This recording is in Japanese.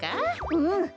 うん！